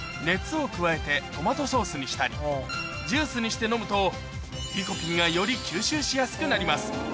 トマトソースにしたりジュースにして飲むとリコピンがより吸収しやすくなります